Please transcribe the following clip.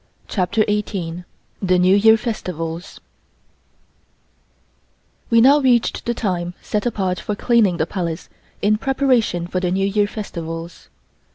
CHAPTER EIGHTEEN THE NEW YEAR FESTIVALS WE now reached the time set apart for cleaning the Palace in preparation for the New Year festivals.